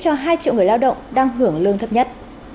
cho hai triệu người lao động đang hưởng lương thấp nhất